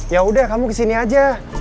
yaudah kamu kesini aja